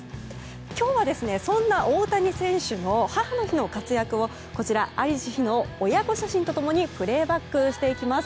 今日はそんな大谷選手の母の日の活躍を在りし日の親子写真と共にプレーバックしていきます。